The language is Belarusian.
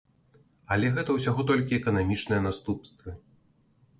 Але гэта ўсяго толькі эканамічныя наступствы.